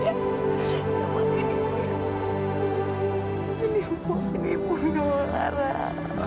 jangan buat ibu takut